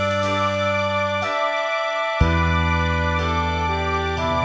ถ้ากล้องแห้งนะคะ